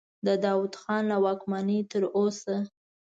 د داود خان له واکمنۍ تر اوسه.